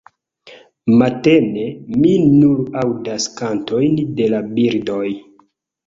Matene, mi nur aŭdas kantojn de la birdoj.